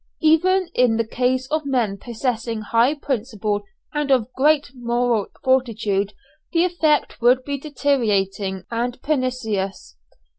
Even in the case of men possessing high principle and of great moral fortitude the effect would be deteriorating and pernicious.